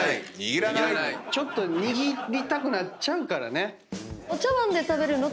ちょっと握りたくなっちゃうからね。